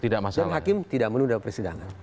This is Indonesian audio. dan hakim tidak menunda persidangan